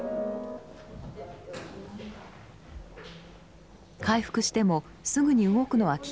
回復してもすぐに動くのは危険です。